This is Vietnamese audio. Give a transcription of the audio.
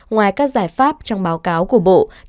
ngoài các giải pháp trong báo cáo của bộ